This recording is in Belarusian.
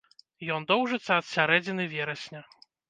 Ён доўжыцца ад сярэдзіны верасня.